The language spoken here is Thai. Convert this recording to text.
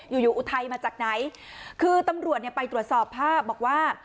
อยู่อยู่อุทัยมาจากไหนคือตำรวจเนี่ยไปตรวจสอบภาพบอกว่า